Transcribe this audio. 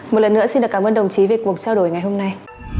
một lần nữa xin cảm ơn đồng chí về cuộc trao đổi ngày hôm nay